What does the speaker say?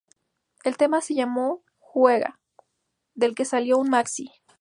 El tema se llamó "Juega", del que salió un maxi.